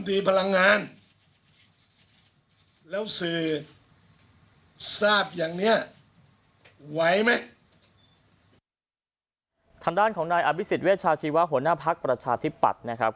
ทางด้านของนายอภิษฎเวชาชีวะหัวหน้าภักดิ์ประชาธิปัตย์นะครับ